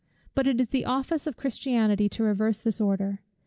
But it is the office of Christianity to reverse this order.